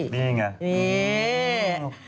นี่ไง